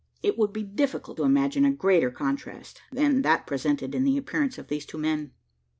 It would be difficult to imagine a greater contrast than that presented in the appearance of these two men.